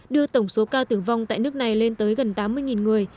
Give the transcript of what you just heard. đưa tổng số ca tử vong tại nước này lên tới gần tám mươi người